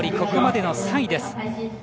ここまでの３位です。